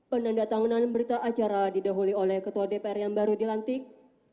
penanda tanganan berita acara didahului oleh ketua dpr yang baru dilantik